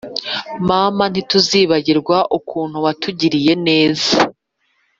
mama ntituzibagirwa ukuntu watugiriye neza